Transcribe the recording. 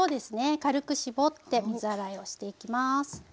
軽く絞って水洗いをしていきます。